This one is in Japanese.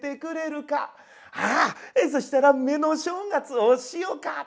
「ああそしたら目の正月をしようか」。